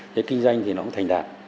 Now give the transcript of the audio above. thế kinh doanh thì nó cũng thành đạt